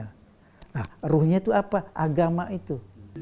nah ruhnya itu apa agama itu